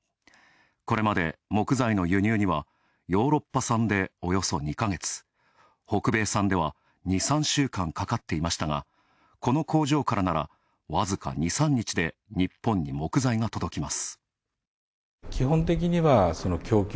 これまで木材の輸入にはヨーロッパ産でおよそ２ヶ月、北米さんでは２３週間かかっていましたが、この工場からなら、わずか２３日で日本に木材が届きます。